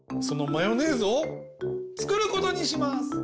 そのマヨネーズをつくることにします！